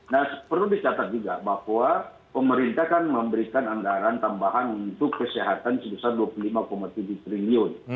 nah perlu dicatat juga bahwa pemerintah kan memberikan anggaran tambahan untuk kesehatan sebesar rp dua puluh lima tujuh triliun